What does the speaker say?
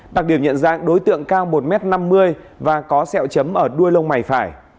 đặc điểm nhận dạng đối tượng cao một m năm mươi và có sẹo chấm ở đuôi lông mày phải